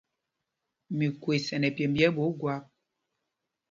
Mikwes ɛ nɛ pyěmb yɛ̄ ɓɛ̌ ógwâp.